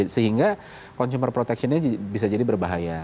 sehingga consumer protection nya bisa jadi berbahaya